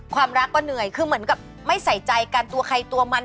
ความรักก็เหนื่อยคือเหมือนกับไม่ใส่ใจกันตัวใครตัวมัน